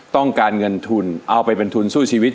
ต้องการเงินทุนเอาไปเป็นทุนสู้ชีวิต